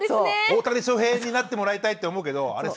大谷翔平になってもらいたいって思うけどあれ